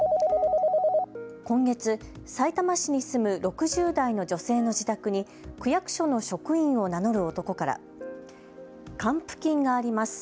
今月、さいたま市に住む６０代の女性の自宅に区役所の職員を名乗る男から還付金があります。